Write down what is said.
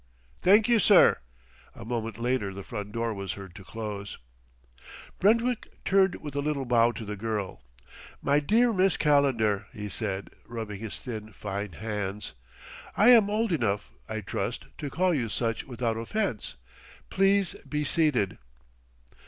"Thank you, sir." A moment later the front door was heard to close. Brentwick turned with a little bow to the girl. "My dear Miss Calendar," he said, rubbing his thin, fine hands, "I am old enough, I trust, to call you such without offense, please be seated."